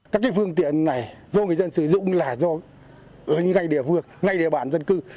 các chiếc phương tiện này do người dân sử dụng là do ngay địa phương ngay địa bản dân cư